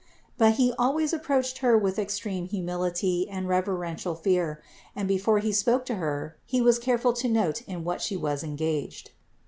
But he always approached Her with extreme humility and reverential fear, and before he spoke to Her, he was careful to note in what She was engaged.